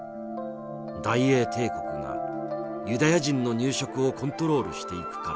大英帝国がユダヤ人の入植をコントロールしていくからだ。